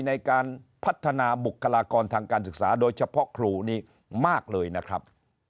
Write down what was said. ในการพัฒนาบุคลากรทางการศึกษาโดยเฉพาะครูนี้มากเลยนะครับ